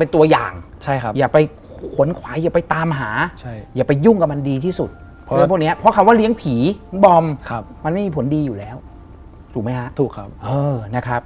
ในบ้านครับ